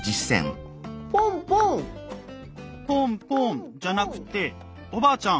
ポンポンじゃなくておばあちゃん